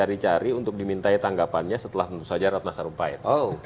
yang dicari cari untuk diminta tanggapannya setelah tentu saja ratna sarumpait